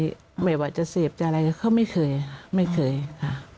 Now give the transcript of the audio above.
หมายถึงว่าจะเสพจะอะไรเขาไม่เคยไม่เคยค่ะ